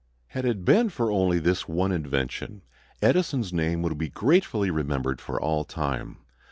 Had it been for only this one invention Edison's name would be gratefully remembered for all time.